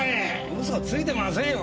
嘘ついてませんよ。